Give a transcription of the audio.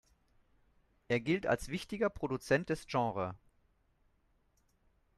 Er gilt als wichtiger Produzent des Genres.